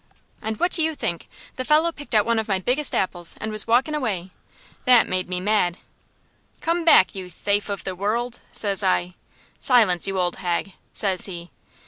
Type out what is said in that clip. "And what do you think? the fellow picked out one of my biggest apples, and was walkin' away! That made me mad. "'Come back, you thafe of the worruld!' says I. "'Silence, you old hag!' says he.